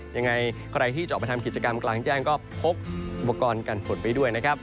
ยังไงใครที่จะออกไปทำกิจกรรมกลางแจ้งก็พกอุปกรณ์กันฝนไปด้วยนะครับ